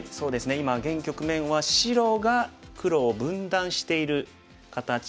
今現局面は白が黒を分断している形で。